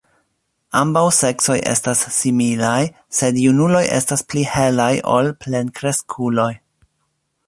Ambaŭ seksoj estas similaj, sed junuloj estas pli helaj ol plenkreskuloj.